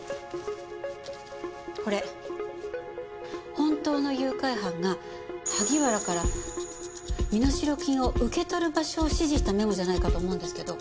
これ本当の誘拐犯が萩原から身代金を受け取る場所を指示したメモじゃないかと思うんですけど。